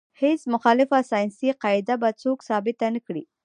هیڅ مخالفه ساینسي قاعده به څوک ثابته نه کړي.